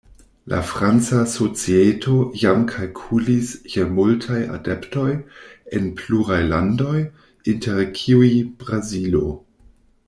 La franca societo jam kalkulis je multaj adeptoj en pluraj landoj, inter kiuj Brazilo.